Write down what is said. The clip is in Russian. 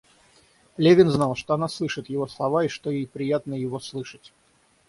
Левин знал, что она слышит его слова и что ей приятно его слышать.